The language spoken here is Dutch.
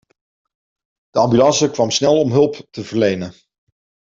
De ambulance kwam snel om hulp te verlenen.